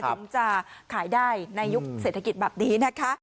ถึงจะขายได้ในยุคเศรษฐกิจแบบนี้นะคะ